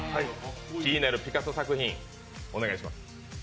気になるピカソ作品、お願いします。